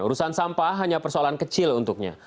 urusan sampah hanya persoalan kecil untuknya